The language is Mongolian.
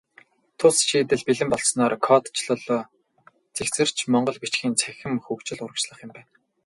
Тус шийдэл бэлэн болсноор кодчилол цэгцэрч, монгол бичгийн цахим хөгжил урагшлах юм байна.